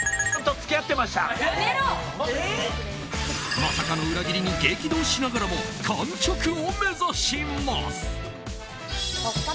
まさかの裏切りに激怒しながらも完食を目指します。